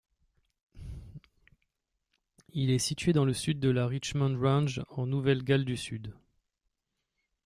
Il est situé dans le sud de la Richmond Range en Nouvelle-Galles du Sud.